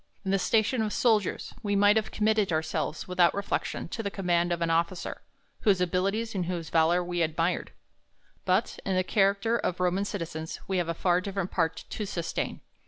In the station of soldiers, we might have committed ourselves, without reflection, to the command of an officer, whose abilities and whose valour we admired ; but, in the character of Roman citizens, we have a far different part to sustain.